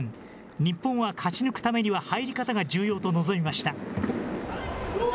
日本は勝ち抜くためには入り方が重要と臨みました。